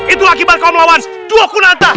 itu akibat kau melawan dua kunata